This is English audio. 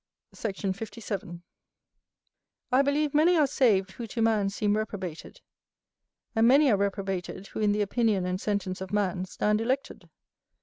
Sect. 57. I believe many are saved who to man seem reprobated, and many are reprobated who in the opinion and sentence of man stand elected.